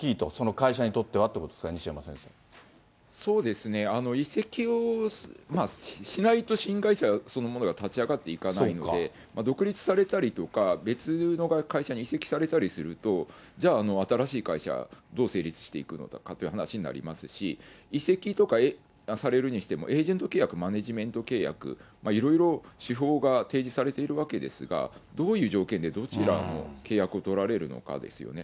会社にとってはということですか、そうですね、移籍をしないと新会社そのものが立ち上がっていかないので、独立されたりとか、別の会社に移籍されたりすると、じゃあ、新しい会社、どう成立していくのかという話になりますし、移籍とかされるにしても、エージェント契約、マネージメント契約、いろいろ手法が提示されているわけですが、どういう条件でどちらの契約を取られるのかですよね。